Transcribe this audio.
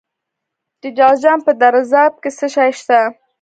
د جوزجان په درزاب کې څه شی شته؟